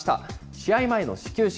試合前の始球式。